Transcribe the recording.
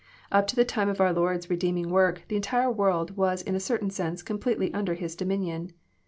Up to the time of our Lord's redeem ing work, the entire world was in a certain sense completely under his dominion.